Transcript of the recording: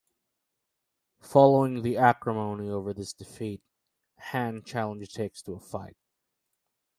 Following the acrimony over this defeat Hann challenged Hicks to a fight.